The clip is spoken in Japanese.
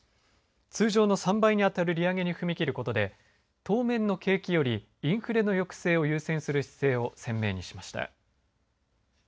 通常の３倍にあたる利上げに踏み切ることで当面の景気よりインフレの抑制を優先する姿勢を鮮明にしました。